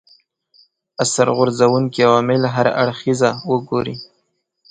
اثر غورځونکي عوامل هر اړخیزه وګوري